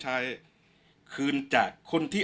ช่างแอร์เนี้ยคือล้างหกเดือนครั้งยังไม่แอร์